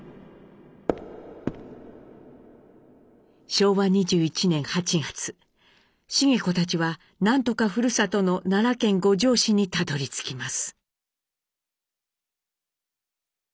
昭和２１年８月繁子たちは何とかふるさとの奈良県五條市にたどりつきます。